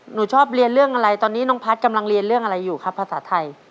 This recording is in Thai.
หนูชอบเรียนเรื่องอะไรตอนนี้น้องพัฒน์กำลังเรียนเรื่องอะไรอยู่ครับภาษาไทย